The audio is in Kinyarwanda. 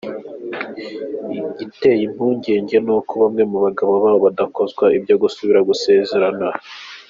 Igiteye impungenge ni uko bamwe mu bagabo babo badakozwa ibyo gusubira gusezerana.